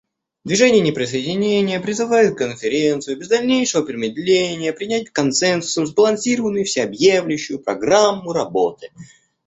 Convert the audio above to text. Движение неприсоединения призывает Конференцию без дальнейшего промедления принять консенсусом сбалансированную и всеобъемлющую программу работы.